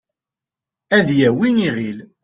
ad yawi iɣil